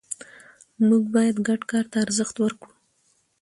موږ باید ګډ کار ته ارزښت ورکړو